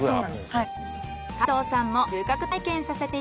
はい。